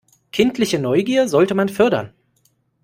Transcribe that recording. Kindliche Neugier sollte man fördern.